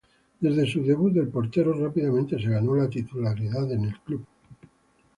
Desde su debut, el portero rápidamente se ganó la titularidad en el club.